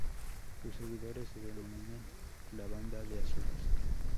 Sus seguidores se denominan "La Banda de Azules".